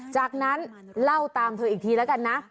จากนั้นเล่าตามเธออีกทีแล้วกันนะ